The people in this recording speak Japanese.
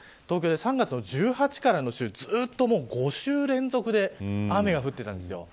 ３月の１８日からの週から５週連続で雨が降ってたんですよ。